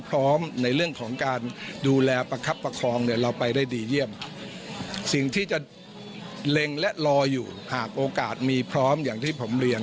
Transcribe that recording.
เร็งและรออยู่หากโอกาสมีพร้อมอย่างที่ผมเรียน